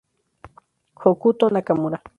Hokuto Nakamura